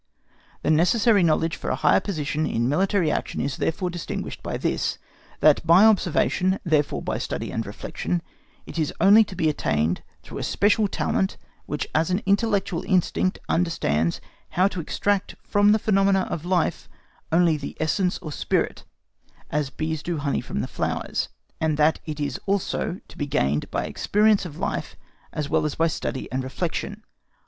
The necessary knowledge for a high position in military action is therefore distinguished by this, that by observation, therefore by study and reflection, it is only to be attained through a special talent which as an intellectual instinct understands how to extract from the phenomena of life only the essence or spirit, as bees do the honey from the flowers; and that it is also to be gained by experience of life as well as by study and reflection.